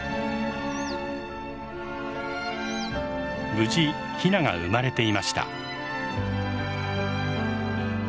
無事ヒナが生まれていました。